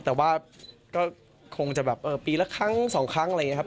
แต่ว่าก็คงจะแบบปีละครั้งสองครั้งอะไรอย่างนี้ครับ